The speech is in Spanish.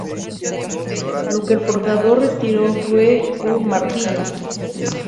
Lo que el forjador retiró fue un martillo.